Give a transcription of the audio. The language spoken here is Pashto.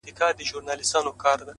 لوړ لید د امکاناتو شمېر زیاتوي.!